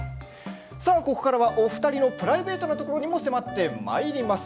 ここからはお二人のプライベートなところにも迫ってまいります。